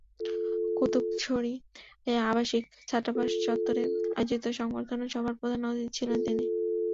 কুতুকছড়ি আবাসিক ছাত্রাবাস চত্বরে আয়োজিত সংবর্ধনা সভার প্রধান অতিথি ছিলেন তিনি।